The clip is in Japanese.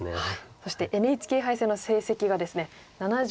そしてＮＨＫ杯戦の成績がですね７１勝２８敗と。